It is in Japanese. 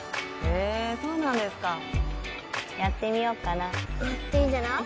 へえそうなんですかやってみよっかなやってみたら？